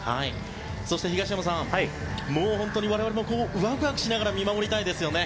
そして、東山さん我々もワクワクしながら見守りたいですよね。